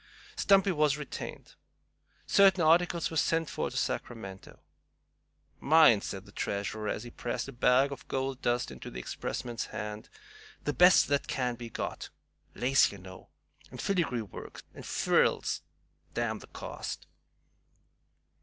Stumpy was retained. Certain articles were sent for to Sacramento. "Mind," said the treasurer, as he pressed a bag of gold dust into the expressman's hand, "the best that can be got, lace, you know, and filigree work and frills, damn the cost!"